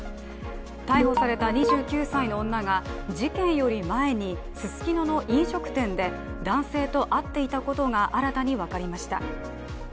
逮捕された２９歳の女が事件より前にススキノの飲食店で男性と会っていたことが新たに分かりました。